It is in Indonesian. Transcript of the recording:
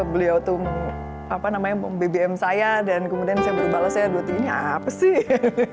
beliau itu bbm saya dan kemudian saya baru balas ya dua dua ini apa sih